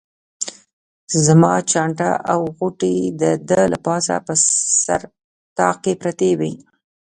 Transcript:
زما چانټه او غوټې د ده له پاسه په سر طاق کې پرتې وې.